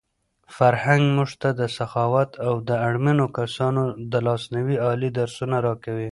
فرهنګ موږ ته د سخاوت او د اړمنو کسانو د لاسنیوي عالي درسونه راکوي.